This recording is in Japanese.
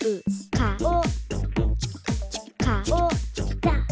「かおかおだ」